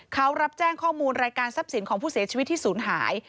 เขารับแจ้งข้อมูลรายการทรัพย์สินของผู้เสียชีวิตที่ศูนย์หาย